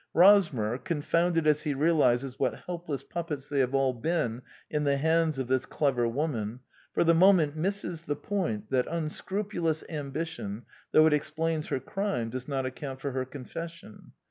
Rosmer, con founded as he realizes what helpless puppets they have all been in the hands of this clever woman, for the moment misses the point that unscrupulous ambition, though it explains her crime, does not account for her confession.